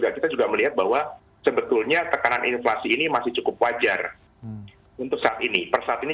kita juga melihat bahwa sebetulnya tekanan inflasi ini masih cukup wajar untuk saat ini